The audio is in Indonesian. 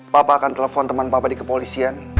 papa akan telepon teman papa di kepolisian